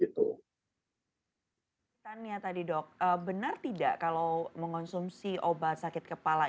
pertanyaannya tadi dok benar tidak kalau mengonsumsi obat sakit kepala